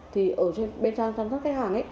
thì ở bên trong các khách hàng